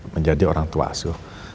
menjadi orang tua asuh